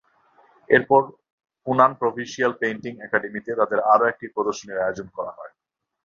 এরপর Hunan provincial painting একাডেমিতে তাঁদের আরও একটি প্রদর্শনীর আয়োজন করা হয়।